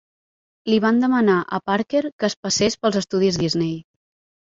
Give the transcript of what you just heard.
Li van demanar a Parker que es passés pels estudis Disney.